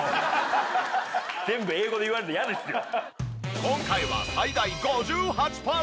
全部英語で言われるの嫌ですよ。